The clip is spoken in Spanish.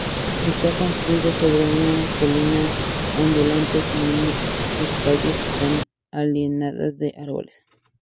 Está construido sobre unas colinas ondulantes y sus calles están alineadas de árboles.